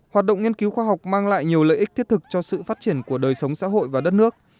hoạt động nghiên cứu khoa học mang lại nhiều lợi ích thiết thực cho sự phát triển của đời sống xã hội và đất nước